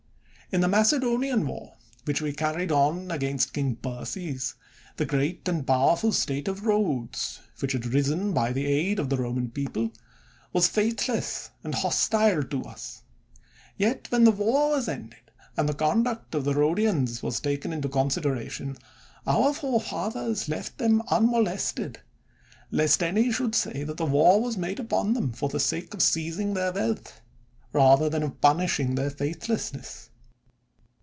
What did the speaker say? In the Macedonian War, which we carried on against king Perses, the great and powerful state of Rhodes, which had risen by the aid of the Roman people, was faithless and hostile to us; yet, when the war was ended, and the conduct of the Rhodians was taken into consideration, our forefathers left them unmolested, lest any should say that war was made upon them for the sake of seizing their wealth, rather than of punishing their faithlessness.